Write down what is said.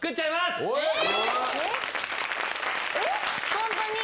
・ホントに？